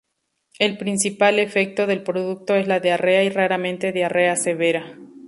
El principal efecto del producto es la Diarrea y raramente diarrea severa.